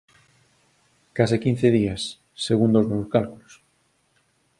Case quince días, segundo os meus cálculos.